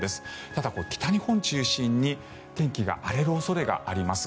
ただ、北日本を中心に天気が荒れる恐れがあります。